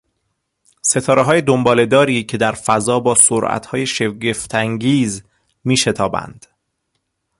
ستارههای دنبالهداری که در فضا با سرعتهای شگفتانگیز میشتابند.